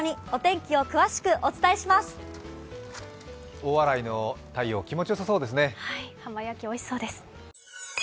大洗の太陽、気持ちよさそうですね。